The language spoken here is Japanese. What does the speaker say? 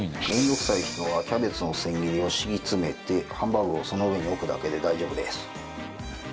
面倒くさい人はキャベツの千切りを敷き詰めてハンバーグをその上に置くだけで大丈夫です。